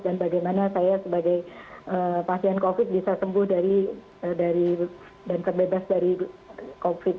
dan bagaimana saya sebagai pasien covid sembilan belas bisa sembuh dan terbebas dari covid sembilan belas